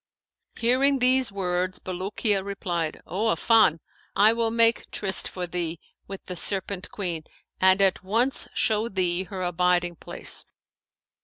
Hearing these words Bulukiya replied, 'O Affan, I will make tryst for thee with the Serpent queen and at once show thee her abiding place.'